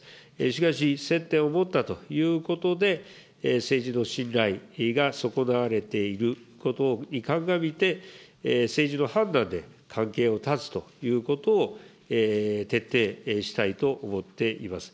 しかし、接点を持ったということで、政治の信頼が損なわれていることに鑑みて、政治の判断で関係を断つということを徹底したいと思っています。